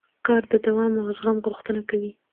کار د دوام او زغم غوښتنه کوي